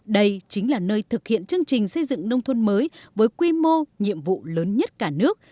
đây chính là nơi thực hiện chương trình xây dựng nông thôn mới với quy mô nhiệm vụ lớn nhất cả nước